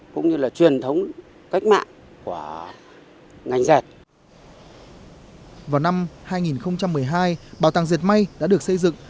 cũng như là truyền thống cách mạng của ngành dệt vào năm hai nghìn một mươi hai bảo tàng dệt may đã được xây dựng